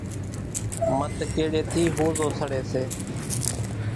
مڌ ڪيڙيئيَ ٿِي ۿوزو سڙيَ سي۔